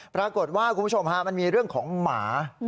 ปรากฏว่าคุณผู้ชมมันมีเรื่องของหมา